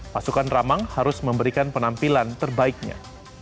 pasukan ramang harus memberikan penampilan terbaiknya